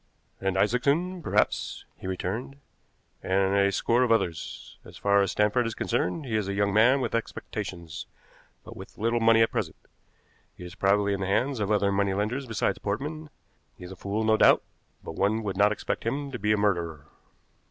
"And Isaacson, perhaps," he returned, "and a score of others. As far as Stanford is concerned, he is a young man with expectations, but with little money at present. He is probably in the hands of other money lenders besides Portman; he is a fool no doubt, but one would not expect him to be a murderer."